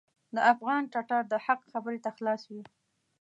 د افغان ټټر د حق خبرې ته خلاص وي.